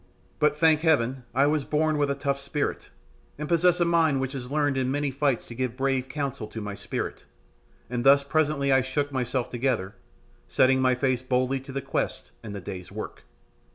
But, thank Heaven, I was born with a tough spirit, and possess a mind which has learned in many fights to give brave counsel to my spirit, and thus presently I shook myself together, setting my face boldly to the quest and the day's work.